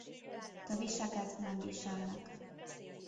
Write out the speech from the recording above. Töviseket nem viselnek.